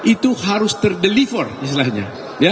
itu harus terdeliver istilahnya